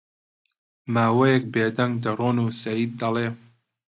ماوەیەک بێ دەنگ دەڕۆن و سەید دەڵێ: